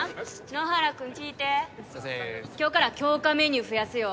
野原君聞いてすいませーん今日から強化メニュー増やすよ・